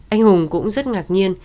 anh hùng cũng rất ngạc nhiên